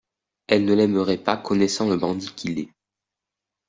«Elle ne l'aimerait pas, connaissant le bandit qu'il est.